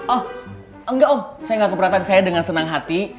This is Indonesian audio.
oh enggak om saya enggak keberatan saya dengan senang hati